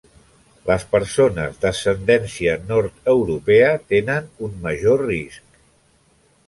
Les persones d'ascendència nord-europea tenen un major risc.